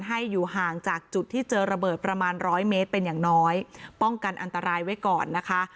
ให้อยู่ห่างจากจุดที่เจอระเบิดประมาณร้อยเมตรเป็นอย่างน้อยป้องกันอันตรายไว้ก่อนนะคะ